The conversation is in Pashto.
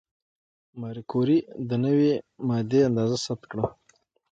ماري کوري د نوې ماده اندازه ثبت کړه.